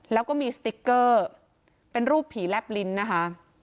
แล้วก็มีสติ๊กเกอร์เป็นรูปผีแลบลิ้นนะคะ